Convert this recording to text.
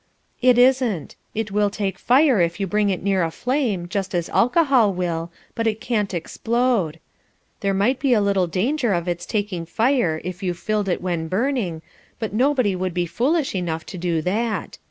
"It isn't. It will take fire if you bring it near a flame, just as alcohol will, but it can't explode. There might be a little danger of its taking fire if you filled it when burning, but nobody would be foolish enough to do that.